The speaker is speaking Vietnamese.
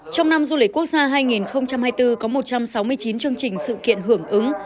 trong năm du lịch quốc gia hai nghìn hai mươi bốn có một trăm sáu mươi chín chương trình sự kiện hưởng ứng